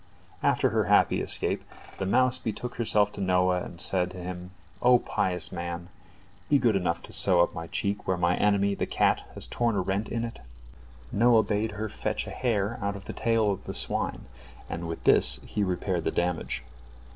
After her happy escape, the mouse betook herself to Noah and said to him, "O pious man, be good enough to sew up my cheek where my enemy, the cat, has torn a rent in it." Noah bade her fetch a hair out of the tail of the swine, and with this he repaired the damage.